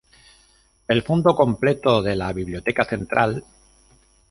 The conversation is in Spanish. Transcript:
El fondo completo de la Biblioteca Central.